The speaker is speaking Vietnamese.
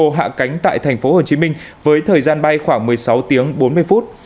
hồ hạ cánh tại thành phố hồ chí minh với thời gian bay khoảng một mươi sáu tiếng bốn mươi phút